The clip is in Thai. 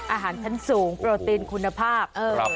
อาหารชั้นสูงโปรตีนคุณภาพ